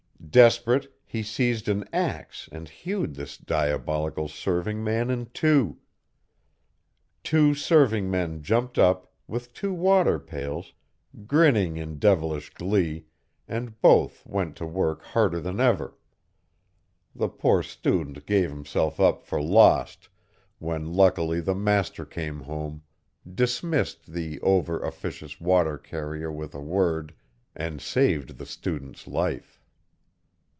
Desperate, he seized an axe and hewed this diabolical serving man in two. Two serving men jumped up, with two water pails, grinning in devilish glee, and both went to work harder than ever. The poor student gave himself up for lost, when luckily the master came home, dismissed the over officious water carrier with a word, and saved the student's life.